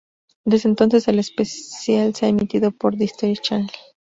Desde entonces, el especial se ha emitido por The History Channel.